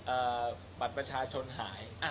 เอ่อบัตรประชาชนหาย